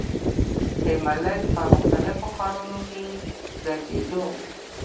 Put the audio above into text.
د ملک پۀ مختلفو ښارونو کښې ګرزيدو ۔